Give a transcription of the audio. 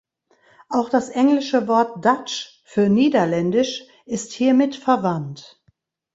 Auch das englische Wort "Dutch" für „Niederländisch“ ist hiermit verwandt.